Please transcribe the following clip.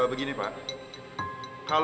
gagal anda nyapa ke kita ya